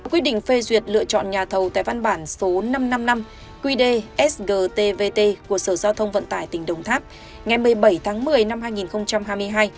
quyết định phê duyệt lựa chọn nhà thầu tại văn bản số năm trăm năm mươi năm qd sgtvt của sở giao thông vận tải tỉnh đồng tháp ngày một mươi bảy tháng một mươi năm hai nghìn hai mươi hai